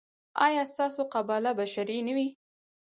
ایا ستاسو قباله به شرعي نه وي؟